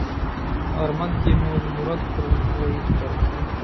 ئارمان كېمىڭىز مۇراد قىرغىقىغا يىتىپ باردىمۇ؟